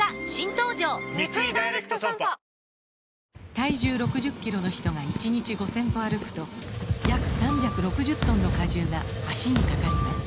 体重６０キロの人が１日５０００歩歩くと約３６０トンの荷重が脚にかかります